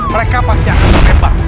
mereka pasti akan terkebak